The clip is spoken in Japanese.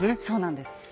そうなんです。